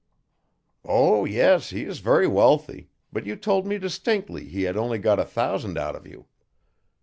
"Oh, yes, he is very wealthy, but you told me distinctly he had only got a thousand out of you."